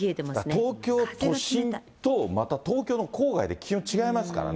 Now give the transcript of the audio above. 東京都心と、また東京の郊外で気温違いますからね。